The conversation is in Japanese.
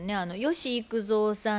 吉幾三さん